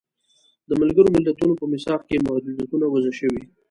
د ملګرو ملتونو په میثاق کې محدودیتونه وضع شوي.